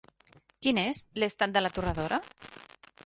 Quin és l'estat de la torradora?